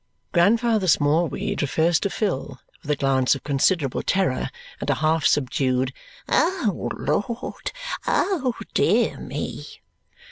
Grandfather Smallweed refers to Phil with a glance of considerable terror and a half subdued "O Lord! Oh, dear me!"